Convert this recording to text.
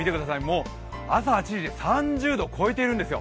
もう朝８時で３０度超えてるんですよ